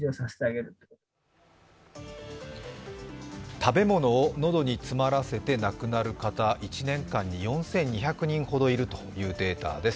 食べ物を喉に詰まらせて亡くなる方１年間に４２００人ほどいるというデータです。